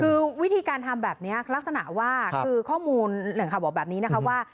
คือวิธีการทำแบบนี้ลักษณะว่าคือข้อมูลแหล่งข่าวบอกแบบนี้นะคะว่า